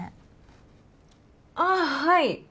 ああはい。